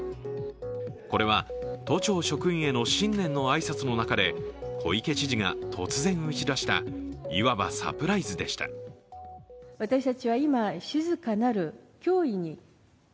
これは都庁職員への新年の挨拶の中で小池知事が突然打ち出したいわばサプライズでした。